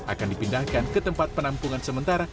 akan dipindahkan ke tempat penampungan sementara